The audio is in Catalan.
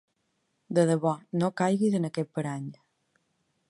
De debò, no caiguis en aquest parany!